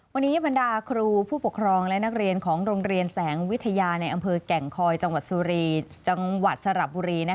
วันนี้บรรดาครูผู้ปกครองและนักเรียนของโรงเรียนแสงวิทยาในอำเภอแก่งคอยจังหวัดสุรีจังหวัดสระบุรี